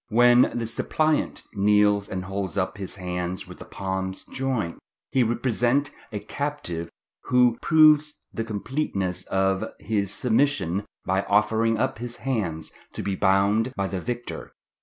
"When the suppliant kneels and holds up his hands with the palms joined, he represents a captive who proves the completeness of his submission by offering up his hands to be bound by the victor.